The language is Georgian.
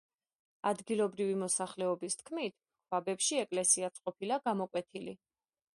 ადგილობრივი მოსახელობის თქმით, ქვაბებში ეკლესიაც ყოფილა გამოკვეთილი.